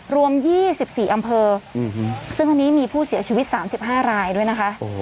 รวม๒๔อำเภอซึ่งวันนี้มีผู้เสียชีวิต๓๕รายด้วยนะคะ